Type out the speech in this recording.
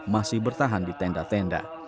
masih bertahan di tenda tenda